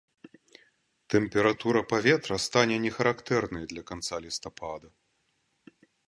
Тэмпература паветра стане не характэрнай для канца лістапада.